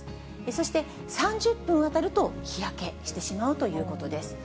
そして、３０分当たると日焼けしてしまうということです。